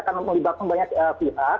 karena melibatkan banyak pihak